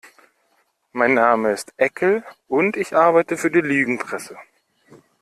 Mein Name ist Eckel und ich arbeite für die Lügenpresse.